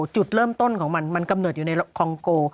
จุดเริ่มต้นของมันมันกำเนิดอยู่ในคองโก